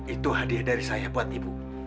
itu hadiah dari saya buat ibu